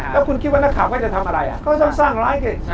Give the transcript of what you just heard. แล้วคุณคิดว่านักข่าวเขาจะทำอะไรก็ต้องสร้างไลฟ์สิ